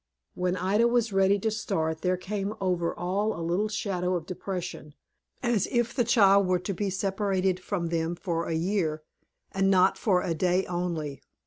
When Ida was ready to start, there came over all a little shadow of depression, as if the child were to be separated from them for a year, and not for a day only.